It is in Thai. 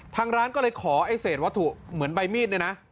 ทางร้านก็เลยขอไอ้เศษวัตถุเหมือนใบมีดเนี่ยนะ